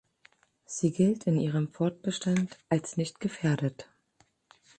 Sie gilt in ihrem Fortbestand als nicht gefährdet.